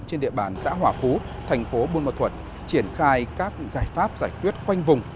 trên địa bàn xã hòa phú thành phố buôn ma thuật triển khai các giải pháp giải quyết quanh vùng